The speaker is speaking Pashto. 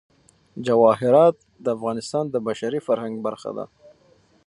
جواهرات د افغانستان د بشري فرهنګ برخه ده.